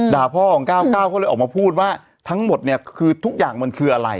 พ่อของ๙๙ก็เลยออกมาพูดว่าทั้งหมดเนี่ยคือทุกอย่างมันคืออะไร